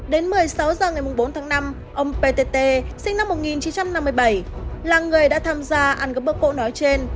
đến một mươi sáu h ngày mùng bốn tháng năm ông ptt sinh năm một nghìn chín trăm năm mươi bảy là người đã tham gia ăn gấp bơ cổ nói trên